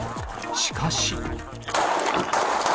しかし。